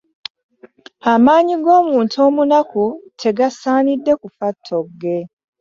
Amaanyi g'omuntu omunaku tegasaanidde kufa ttogge.